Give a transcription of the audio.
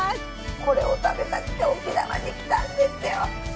これを食べたくて沖縄に来たんですよ。